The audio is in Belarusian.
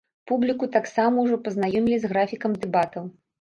Публіку таксама ўжо пазнаёмілі з графікам дэбатаў.